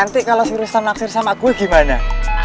nanti kalau si rustam naksir sama gue gimana